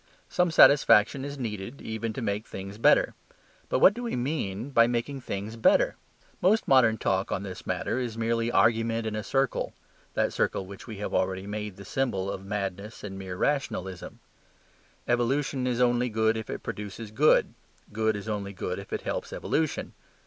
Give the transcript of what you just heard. Some satisfaction is needed even to make things better. But what do we mean by making things better? Most modern talk on this matter is a mere argument in a circle that circle which we have already made the symbol of madness and of mere rationalism. Evolution is only good if it produces good; good is only good if it helps evolution.